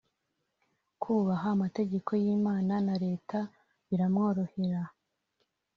kubaha amategeko y’Imana na Leta biramworohera